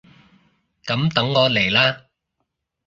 噉等我嚟喇！